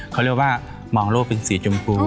เขาเรียกว่ามองโลกเป็นสีชมพู